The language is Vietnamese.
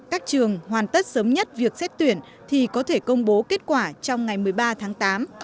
các trường hoàn tất sớm nhất việc xét tuyển thì có thể công bố kết quả trong ngày một mươi ba tháng tám